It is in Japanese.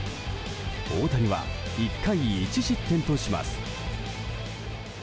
大谷は１回１失点とします。